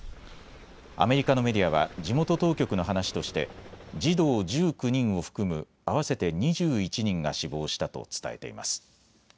アメリカのメディアは地元当局の話として児童１９人を含む合わせて２１人が死亡したと伝えています。